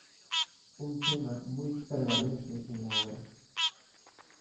Un tema muy prevalente en la obra.